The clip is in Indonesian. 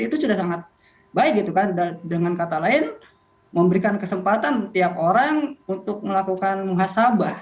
itu sudah sangat baik gitu kan dengan kata lain memberikan kesempatan tiap orang untuk melakukan muhasabah